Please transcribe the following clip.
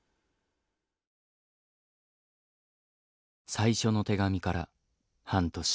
最初の手紙から半年。